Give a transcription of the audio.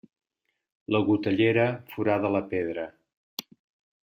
La gotellera forada la pedra.